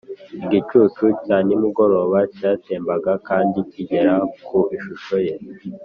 igicucu cya nimugoroba cyatembaga kandi kigera ku ishusho ye